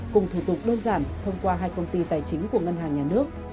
cùng thủ tục đơn giản thông qua hai công ty tài chính của ngân hàng nhà nước